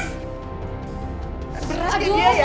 berat juga ya